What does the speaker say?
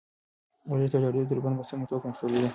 ورزش د زړه ضربان په سمه توګه کنټرولوي.